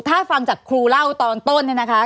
ถ้าฟังจากครูเล่าตอนต้นเนี่ยนะคะ